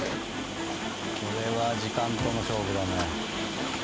これは時間との勝負だね。